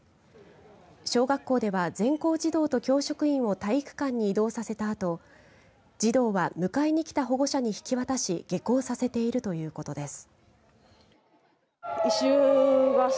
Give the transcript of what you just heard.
小学校では全校児童と教職員を体育館に移動させたあと児童は迎えに来た保護者に引き渡し下校させているということです。